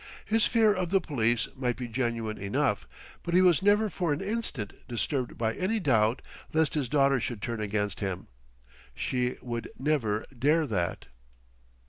His fear of the police might be genuine enough, but he was never for an instant disturbed by any doubt lest his daughter should turn against him. She would never dare that.